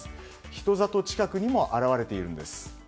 人里近くにも現れているんです。